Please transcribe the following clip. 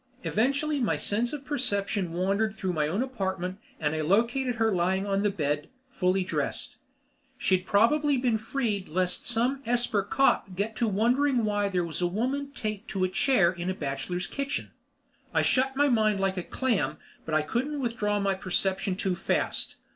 Eventually my sense of perception wandered through my own apartment and I located her lying on the bed, fully dressed. She'd probably been freed lest some esper cop get to wondering why there was a woman taped to a chair in a bachelor's kitchen. I shut my mind like a clam, but I couldn't withdraw my perception too fast.